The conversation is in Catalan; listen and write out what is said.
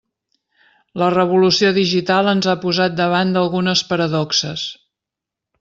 La revolució digital ens ha posat davant d'algunes paradoxes.